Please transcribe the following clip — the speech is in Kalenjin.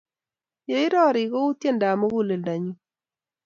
Yeirori kou tyendap muguleldanyu